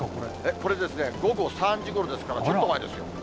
これ午後３時ごろですから、ちょっと前ですよ。